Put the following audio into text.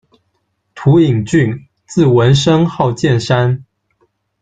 屠应埈，字文升，号渐山。